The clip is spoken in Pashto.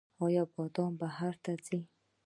آیا بادام بهر ته ځي؟